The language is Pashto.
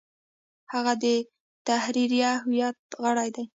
هغه د تحریریه هیئت غړی دی.